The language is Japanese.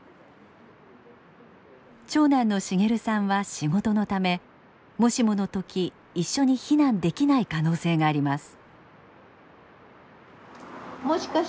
長男の茂さんは仕事のためもしもの時一緒に避難できない可能性があります。